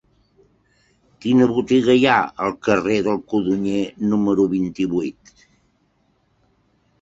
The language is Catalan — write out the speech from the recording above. Quina botiga hi ha al carrer del Codonyer número vint-i-vuit?